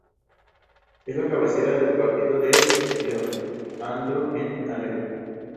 Es la cabecera del partido de Leandro N. Alem.